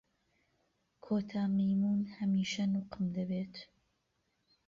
کۆتا مەیموون هەمیشە نوقم دەبێت.